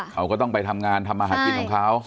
เขาก็ต้องไปทำงานทำมาหากินของเขา